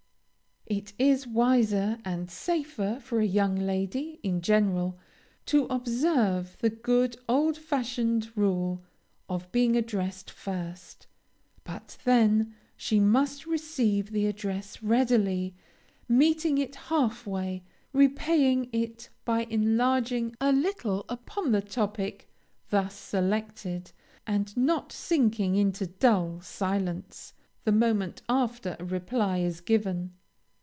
It is wiser and safer for a young lady, in general, to observe the good, old fashioned rule of being addressed first; but then she must receive the address readily, meeting it half way, repaying it by enlarging a little upon the topic thus selected, and not sinking into a dull silence, the moment after a reply is given.